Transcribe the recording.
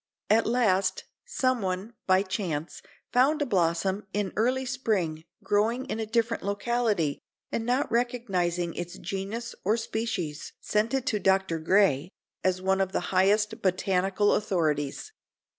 At last, someone, by chance, found a blossom, in early spring, growing in a different locality, and not recognizing its genus or species, sent it to Dr. Gray, as one of the highest botanical authorities.